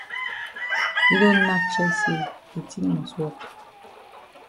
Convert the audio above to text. Yi don nack chest say de tin must wok.